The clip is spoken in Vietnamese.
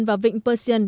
và vịnh persian